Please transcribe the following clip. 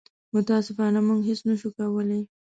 متاسفانه موږ هېڅ نه شو کولی.